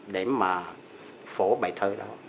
để mà phổ bài thơ đó